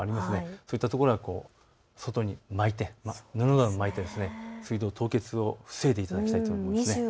そういったところは布などを巻いて水道の凍結を防いでいただきたいと思います。